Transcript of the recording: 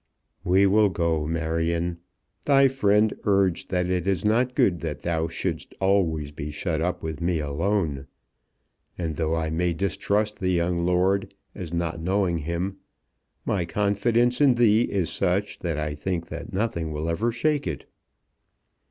"We will go, Marion. Thy friend urged that it is not good that thou shouldst always be shut up with me alone. And, though I may distrust the young lord as not knowing him, my confidence in thee is such that I think that nothing will ever shake it."